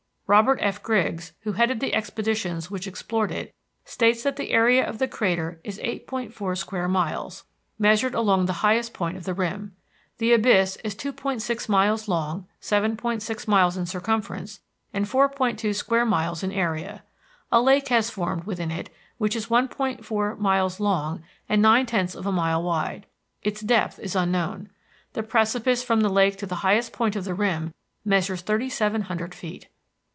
Robert F. Griggs, who headed the expeditions which explored it, states that the area of the crater is 8.4 square miles, measured along the highest point of the rim. The abyss is 2.6 miles long, 7.6 miles in circumference, and 4.2 square miles in area. A lake has formed within it which is 1.4 miles long and nine tenths of a mile wide. Its depth is unknown. The precipice from the lake to the highest point of the rim measures thirty seven hundred feet.